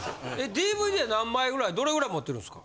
ＤＶＤは何枚ぐらいどれぐらい持ってるんですか？